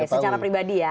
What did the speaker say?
oke secara pribadi ya